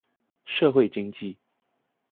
社會經濟